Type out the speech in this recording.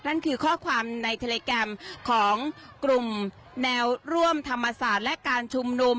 นั่นคือข้อความในทะเลแกรมของกลุ่มแนวร่วมธรรมศาสตร์และการชุมนุม